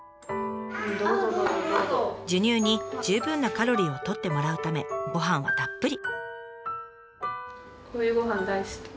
授乳に十分なカロリーをとってもらうためごはんはたっぷり。